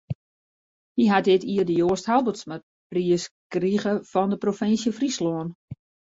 Hy hat dit jier de Joast Halbertsmapriis krige fan de Provinsje Fryslân.